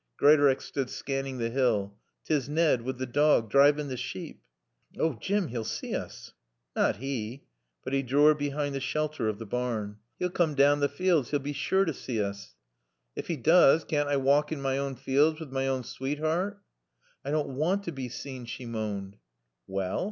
Greatorex stood scanning the hill. "'Tis Nad, wi' t' dawg, drivin' t' sheep." "Oh, Jim, he'll see us." "Nat he!" But he drew her behind the shelter of the barn. "He'll come down the fields. He'll be sure to see us." "Ef he doos, caann't I walk in my awn fealds wi' my awn sweetheart?" "I don't want to be seen," she moaned. "Wall